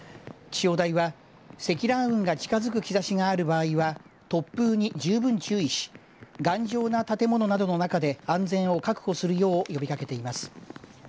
気象台は積乱雲が近づく兆しがある場合は突風に十分注意し頑丈な建物などの中で安全を確保するよう呼びかけています。